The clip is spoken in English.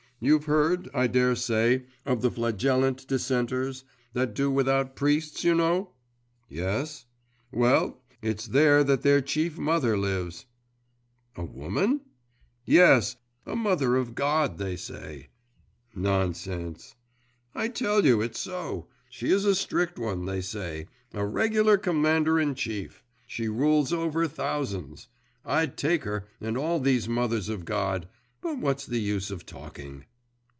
You've heard, I daresay, of the Flagellant dissenters that do without priests, you know?' 'Yes.' 'Well, it's there that their chief mother lives.' 'A woman?' 'Yes the mother; a mother of God, they say.' 'Nonsense!' 'I tell you, it is so. She is a strict one, they say.… A regular commander in chief! She rules over thousands! I'd take her, and all these mothers of God.… But what's the use of talking?